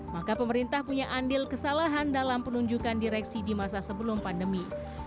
maka pemerintah punya andil kesalahan dalam penunjukan direksi di masa sebelum pandemi